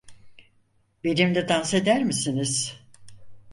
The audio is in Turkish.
Benimle dans eder misiniz?